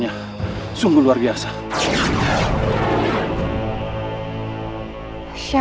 naik kembali ke bayangan stalclon